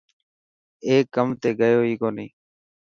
اي ڪم تي گيو هي ڪوني.